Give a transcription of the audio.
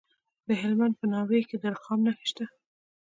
د هلمند په ناوې کې د رخام نښې شته.